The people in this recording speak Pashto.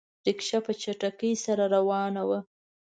رکشه په چټکۍ سره روانه وه.